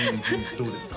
どうですか？